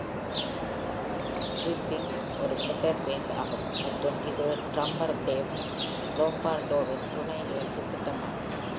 Grip Inc. ஒரு metal band ஆகும், மற்றும் இது டிரம்மர் டேவ் லோம்பார்டோவின் துணை நிகழ்ச்சித் திட்டமாகும்.